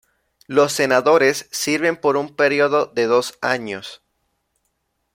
Los Senadores sirven por un período de dos años.